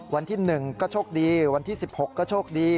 วันที่๑ก็โชคดีวันที่๑๖ก็โชคดี